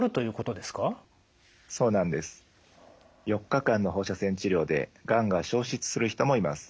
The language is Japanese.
４日間の放射線治療でがんが消失する人もいます。